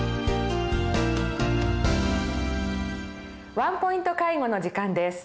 「ワンポイント介護」の時間です。